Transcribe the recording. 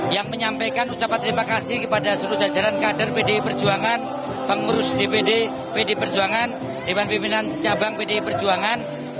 yang menyampaikan ucapan terima kasih kepada seluruh jajaran kader pdi perjuangan pengurus dpd pd perjuangan dewan pimpinan cabang pdi perjuangan